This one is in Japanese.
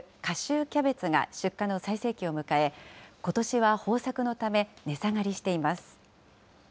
秋キャベツが出荷の最盛期を迎え、ことしは豊作のため、値下がりしています。